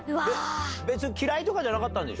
別に嫌いとかじゃなかったんでしょ？